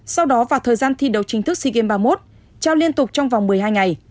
sau đó vào thời gian thi đấu chính thức sea games ba mươi một trao liên tục trong vòng một mươi hai ngày